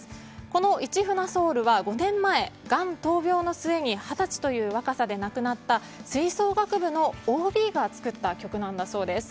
この「市船ｓｏｕｌ」は５年前がん闘病の末に二十歳という若さで亡くなった吹奏楽部のＯＢが作った曲なんだそうです。